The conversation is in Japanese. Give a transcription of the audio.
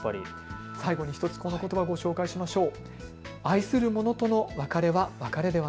最後に１つ、このことばを紹介しましょう。